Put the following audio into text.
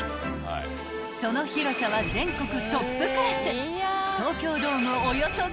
［その広さは全国トップクラス］